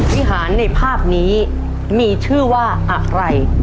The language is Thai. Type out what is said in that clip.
วิหารในภาพนี้มีชื่อว่าอะไร